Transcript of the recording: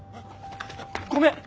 ごめん！